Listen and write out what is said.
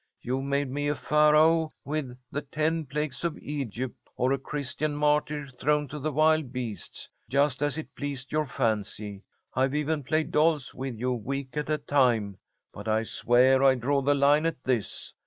You've made me be Pharaoh with the ten plagues of Egypt, or a Christian martyr thrown to the wild beasts, just as it pleased your fancy. I've even played dolls with you week at a time, but I swear I draw the line at this.